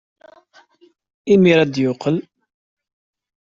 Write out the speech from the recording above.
Imir-a ad d-yeqqel.